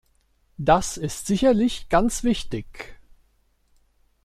Das ist sicherlich ganz wichtig.